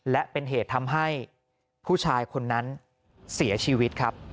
และเป็นเหตุทำให้ผู้ชายคนนั้นเสียชีวิตครับ